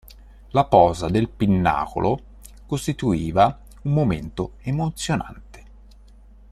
La posa del pinnacolo costituiva un momento emozionante.